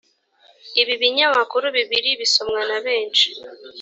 ibi binyamakuru bibiri bisomwa na benshi